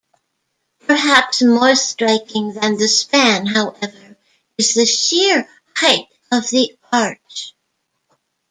Perhaps more striking than the span, however, is the sheer height of the arch.